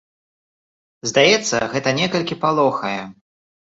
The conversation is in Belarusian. Здаецца, гэта некалькі палохае.